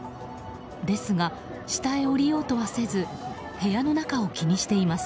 ですが、下へ下りようとはせず部屋の中を気にしています。